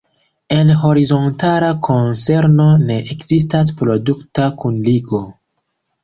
En horizontala konzerno ne ekzistas produkta kunligo.